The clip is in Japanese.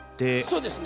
そうですね。